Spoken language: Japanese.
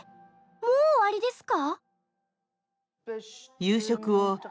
もう終わりですか！？